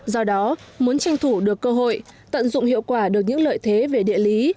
do đó muốn tranh thủ được cơ hội tận dụng hiệu quả được những lợi thế về địa lý